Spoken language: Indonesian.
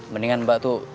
mendingan mbak tuh